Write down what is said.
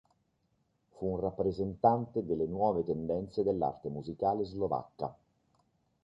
Fu un rappresentante delle nuove tendenze dell'arte musicale slovacca.